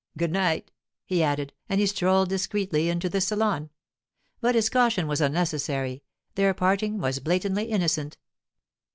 Good night,' he added, and he strolled discreetly into the salon. But his caution was unnecessary; their parting was blatantly innocent.